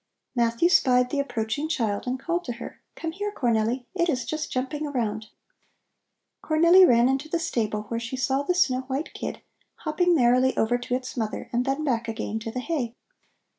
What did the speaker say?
Matthew spied the approaching child and called to her: "Come here, Cornelli! It is just jumping around." Cornelli ran into the stable, where she saw the snow white kid, hopping merrily over to its mother and then back again to the hay.